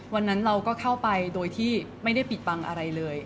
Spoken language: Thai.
วันนั้นเราก็เข้าไปโดยที่ไม่ได้ปิดบังอะไรเลย